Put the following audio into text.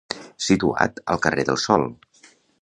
Situat al carrer del Sol.